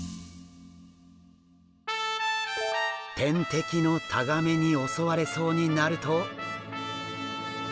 天敵のタガメに襲われそうになると。